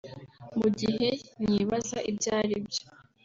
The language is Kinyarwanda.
Mu gihe nkibaza ibyo ari byo